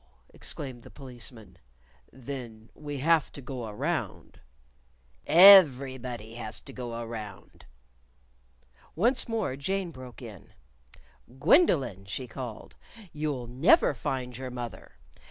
exclaimed the Policeman "Then we have to go around." "_Every_body has to go around." Once more Jane broke in. "Gwendolyn," she called, "you'll never find your mother.